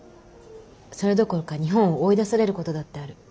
それどころか日本を追い出されることだってある。